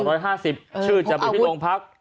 ถ้าจ่าย๒๕๐ชื่อจบรถที่โรงพักษณ์